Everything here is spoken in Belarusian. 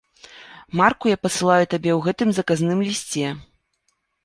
Марку я пасылаю табе ў гэтым заказным лісце.